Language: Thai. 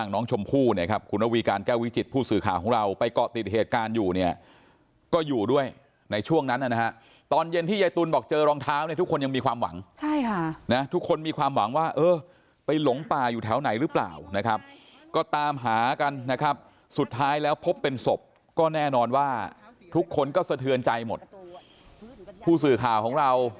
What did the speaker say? น้องชมพู่เนี่ยครับคุณระวีการแก้ววิจิตผู้สื่อข่าวของเราไปเกาะติดเหตุการณ์อยู่เนี่ยก็อยู่ด้วยในช่วงนั้นนะฮะตอนเย็นที่ยายตุลบอกเจอรองเท้าเนี่ยทุกคนยังมีความหวังใช่ค่ะนะทุกคนมีความหวังว่าเออไปหลงป่าอยู่แถวไหนหรือเปล่านะครับก็ตามหากันนะครับสุดท้ายแล้วพบเป็นศพก็แน่นอนว่าทุกคนก็สะเทือนใจหมดผู้สื่อข่าวของเรา